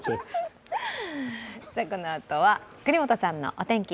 このあとは國本さんのお天気。